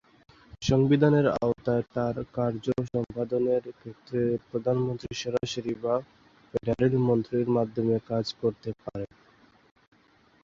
সংবিধানের আওতায় তাঁর কার্য সম্পাদনের ক্ষেত্রে প্রধানমন্ত্রী সরাসরি বা ফেডারেল মন্ত্রীর মাধ্যমে কাজ করতে পারেন।